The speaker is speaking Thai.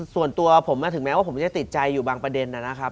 ส่วนตัวถึงแม้ว่าผมไม่ได้ติดใจอยู่บางประเด็นน่ะนะครับ